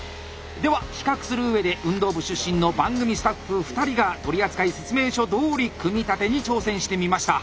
では比較するうえで運動部出身の番組スタッフ２人が取扱説明書どおり組み立てに挑戦してみました。